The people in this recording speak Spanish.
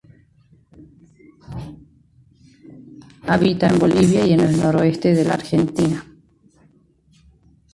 Habita en Bolivia y en el noroeste de la Argentina.